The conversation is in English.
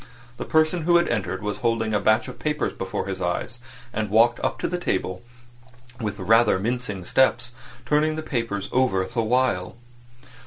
The person who had entered was holding a batch of papers before his eyes and walked up to the table with a rather mincing step, turning the papers over the while.